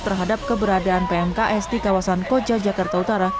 terhadap keberadaan yang berlaku di jakarta utara